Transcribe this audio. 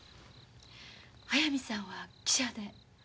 速水さんは汽車で？